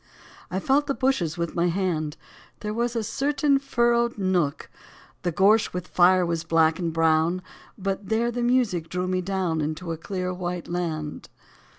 I felt the bushes with my hand : There was a certain furrowed nook — The gorse with fire was black and brown. But there the music drew me down Into a clear, white land.